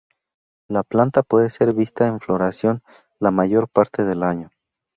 La planta puede ser vista en floración la mayor parte del año.